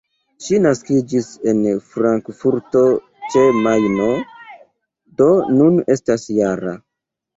Ŝi naskiĝis en Frankfurto-ĉe-Majno, do nun estas -jara.